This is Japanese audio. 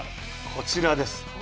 こちらです。